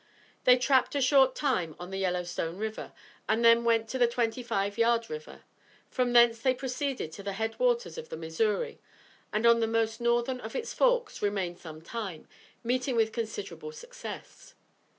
They trapped a short time on the Yellow Stone River and then went to the Twenty Five Yard River. From thence they proceeded to the head waters of the Missouri, and, on the most northern of its forks, remained some time, meeting with considerable success.